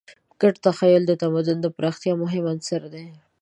ګډ تخیل د تمدن د پراختیا مهم عنصر دی.